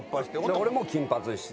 俺も金髪にして。